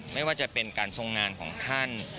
ไม่ว่าจะเป็นการทรงงานของท่าน